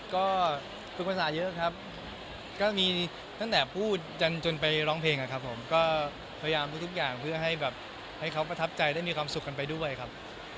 ก็ฝึกภาษาเยอะครับก็มีตั้งแต่พูดจนไปร้องเพลงนะครับผมก็พยายามทุกอย่างเพื่อให้แบบให้เขาประทับใจได้มีความสุขกันไปด้วยครับ